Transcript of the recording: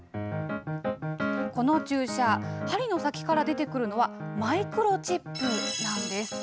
この注射、針の先から出てくるのは、マイクロチップなんです。